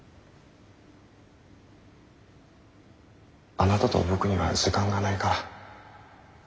・あなたと僕には時間がないから。